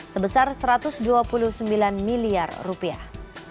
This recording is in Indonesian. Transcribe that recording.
sebesar satu ratus dua puluh sembilan miliar rupiah